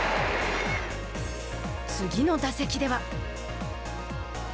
次の打席では。